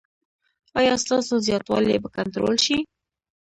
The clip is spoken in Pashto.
ایا ستاسو زیاتوالی به کنټرول شي؟